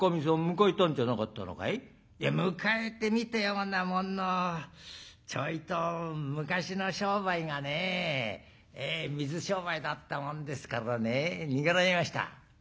「いや迎えてみたようなもののちょいと昔の商売がね水商売だったもんですからね逃げられました」。